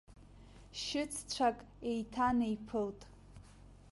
Шьыццәак еиҭанеиԥылт.